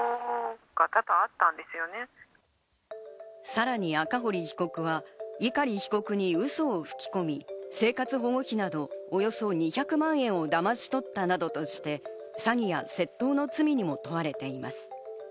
さらに赤堀被告は碇被告にウソを吹き込み、生活保護費などおよそ２００万円をだまし取ったなどとして、詐欺や窃盗の罪にも問われています。